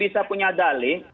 saya punya dalih